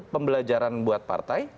pembelajaran buat partai